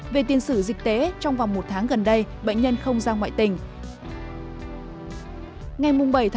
về tiền sử dịch tế trong vòng một tháng gần đây bệnh nhân không ra ngoại tình